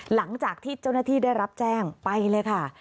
หลังจากที่เจ้าหน้าที่ได้รับแจ้งไปเลยค่ะ